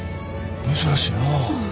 珍しいな。